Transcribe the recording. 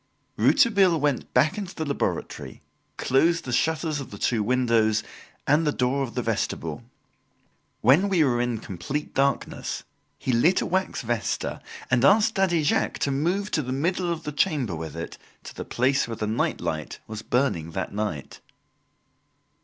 Rouletabille went back into the laboratory, closed the shutters of the two windows and the door of the vestibule. When we were in complete darkness, he lit a wax vesta, and asked Daddy Jacques to move to the middle of the chamber with it to the place where the night light was burning that night.